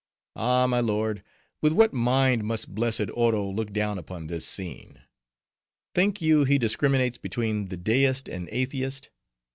Ah, my lord, with what mind must blessed Oro look down upon this scene! Think you he discriminates between the deist and atheist?